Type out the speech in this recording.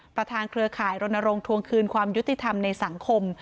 เครือข่ายรณรงค์ทวงคืนความยุติธรรมในสังคม